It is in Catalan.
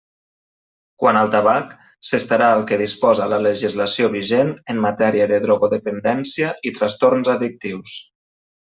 Quant al tabac s'estarà al que disposa la legislació vigent en matèria de drogodependència i trastorns addictius.